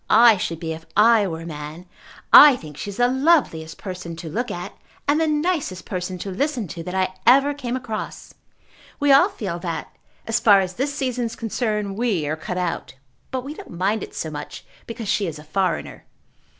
I should be if I were a man. I think she is the loveliest person to look at and the nicest person to listen to that I ever came across. We all feel that, as far as this season is concerned, we are cut out. But we don't mind it so much because she is a foreigner."